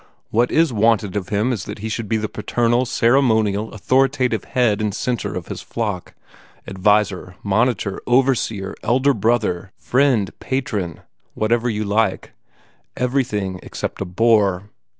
What IS wanted of him is that he should be the paternal, ceremonial, authoritative head and centre of his flock, adviser, monitor, overseer, elder brother, friend, patron, seigneur whatever you like everything except a bore.